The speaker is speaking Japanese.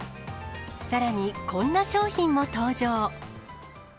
さらにこんな商品も登場。